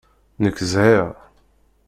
Nekk zhiɣ.